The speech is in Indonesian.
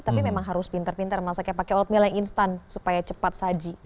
tapi memang harus pinter pinter masaknya pakai oatmeal yang instan supaya cepat saji